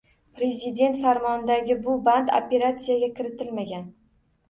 Prezident farmonidagi bu band operatsiyaga kiritilmagan